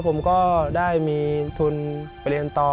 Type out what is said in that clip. ผมก็ได้มีทุนไปเรียนต่อ